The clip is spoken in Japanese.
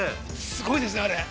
◆すごいですね、あれ。